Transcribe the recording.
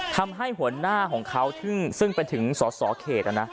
ทำให้หัวหน้าของเขาซึ่งเป็นถึงสอสอเขต